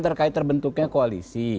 terkait terbentuknya koalisi